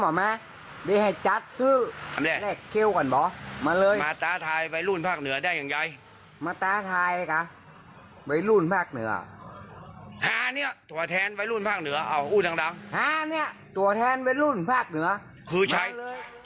บ่ดอาจจะยังไม่พิสูจน์